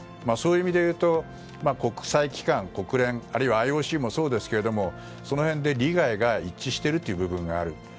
そういう意味で言うと国際機関、国連あるいはＩＯＣもそうですがその辺で利害が一致してる部分がある。